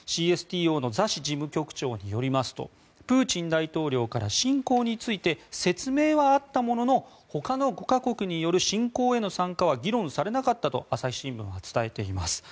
ＣＳＴＯのザシ事務局長によりますとプーチン大統領から侵攻について説明はあったもののほかの５か国による侵攻への参加は議論されなかったと朝日新聞は伝えています。